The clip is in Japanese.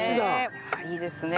ああいいですね。